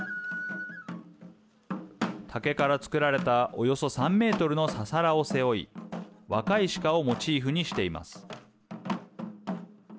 竹から作られたおよそ３メートルのササラを背負い若い鹿をモチーフにしています。